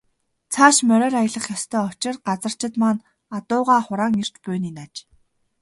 Цааш мориор аялах ёстой учир газарчид маань адуугаа хураан ирж буй нь энэ аж.